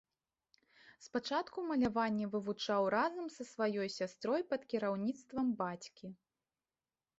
Спачатку маляванне вывучаў разам са сваёй сястрой пад кіраўніцтвам бацькі.